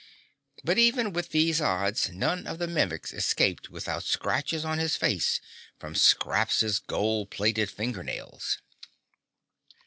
But even with these odds none of the Mimics escaped without scratches on his face from Scraps' gold plated finger nails.